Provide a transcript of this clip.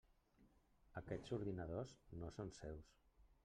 Aquests ordinadors no són seus.